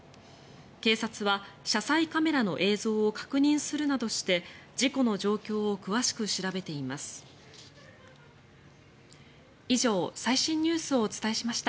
警察は、車載カメラの映像を確認するなどして事故の状況を詳しく調べています。